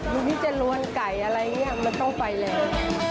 ดูที่จะรวนไก่อะไรอย่างนี้มันต้องไฟแรง